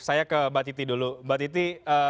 saya ke mbak titi dulu mbak titi